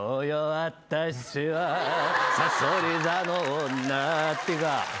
私はさそり座の女」ってか。